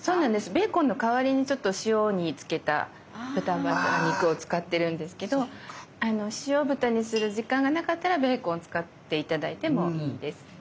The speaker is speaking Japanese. ベーコンの代わりに塩につけた豚バラ肉を使ってるんですけど塩豚にする時間がなかったらベーコン使って頂いてもいいです。